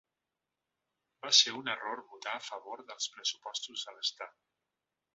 Va ser un error votar a favor dels pressupostos de l'estat.